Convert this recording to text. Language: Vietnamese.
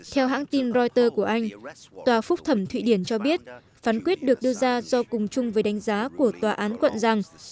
theo hãng tin reuters của anh tòa phúc thẩm thụy điển cho biết phán quyết được đưa ra do cùng chung với đánh giá của tòa án quận rằng